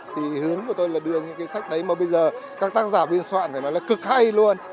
thì hướng của tôi là đưa những cái sách đấy mà bây giờ các tác giả biên soạn phải nói là cực hay luôn